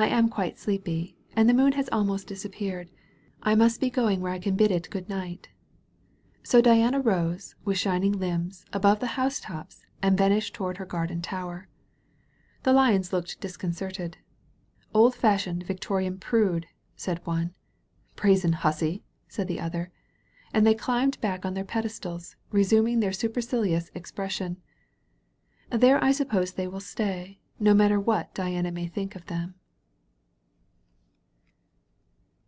I am quite sleepy. And the moon has almost disappeared. I must be going where I can bid it good night." So Diana rose, with shining limbs, above the housetops, and vanished toward her Garden Tower. The Lions looked disconcerted. "Old fashioned, Victorian prude!" said one. "Brazen hussy!" said the other. And they climbed back on their Pedestals, resuming their supercilious expression. There I suppose they will stay, no matter what Diana may think of them.